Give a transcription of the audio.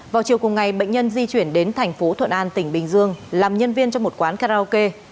vào chiều cùng ngày bệnh nhân di chuyển đến thành phố thuận an tỉnh bình dương làm nhân viên trong một quán karaoke